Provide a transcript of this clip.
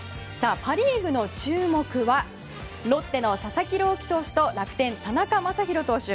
パリーグの注目はロッテの佐々木朗希投手と楽天、田中将大投手。